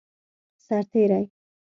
سرتیری